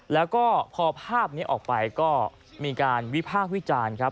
แล้วก็พอภาพนี้ออกไปมีการวิภาควิจารณ์